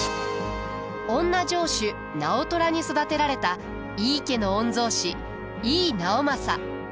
おんな城主直虎に育てられた井伊家の御曹司井伊直政。